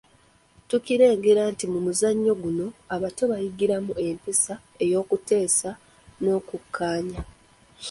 Tukirengera nti mu muzannyo guno abato bayigiramu empisa ey’okuteesa n’okukkaanya.